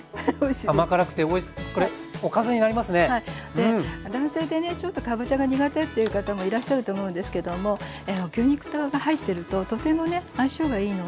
で男性でねちょっとかぼちゃが苦手っていう方もいらっしゃると思うんですけども牛肉が入ってるととてもね相性がいいので。